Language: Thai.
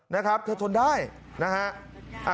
นะครับเธอทนได้นะฮะ